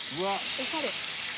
おしゃれ。